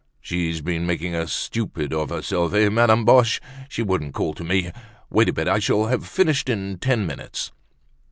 "She's been making a stupid of herself, eh, Madame Boche? She wouldn't call to me. Wait a bit, I shall have finished in ten minutes."